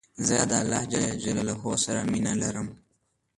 زه د الله ج سره مينه لرم